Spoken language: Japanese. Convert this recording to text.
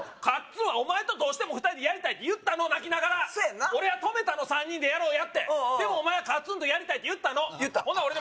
カッツンはお前とどうしても２人でやりたいって言ったの泣きながらそうやんな俺は止めたの３人でやろうやってでもお前はカッツンとやりたいって言ったのほな